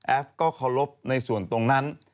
ฟก็เคารพในส่วนตรงนั้น